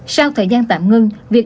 sau thời gian tạm ngưng